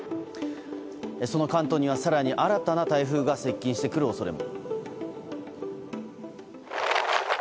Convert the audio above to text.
その関東には更に新たな台風が接近してくる恐れも。